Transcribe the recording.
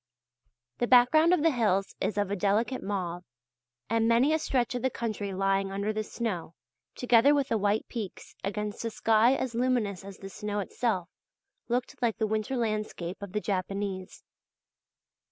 The background of the hills is of a delicate mauve, and many a stretch of the country lying under the snow, together with the white peaks, against a sky as luminous as the snow itself, looked like the winter landscape of the Japanese.